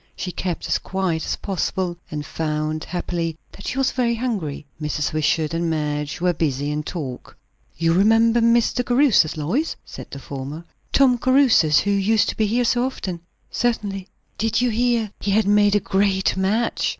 She kept as quiet as possible, and found, happily, that she was very hungry. Mrs. Wishart and Madge were busy in talk. "You remember Mr. Caruthers, Lois?" said the former; "Tom Caruthers, who used to be here so often?" "Certainly." "Did you hear he had made a great match?"